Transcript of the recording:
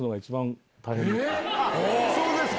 そうですか！